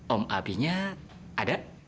om abinya ada